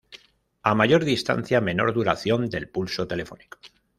A mayor distancia, menor duración del pulso telefónico.